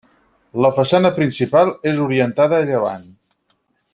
La façana principal és orientada a llevant.